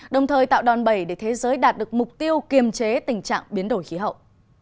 đồng thời tạo đòn bẩy để thế giới đạt được mục tiêu kiềm chế tình trạng biến đổi khí hậu